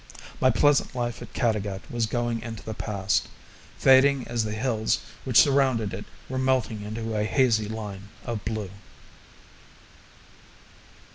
My pleasant life at Caddagat was going into the past, fading as the hills which surrounded it were melting into a hazy line of blue.